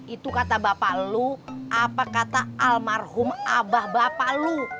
itu kata bapak lu apa kata almarhum abah bapak lo